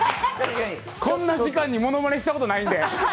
こんな時間にものまねしたことないんで。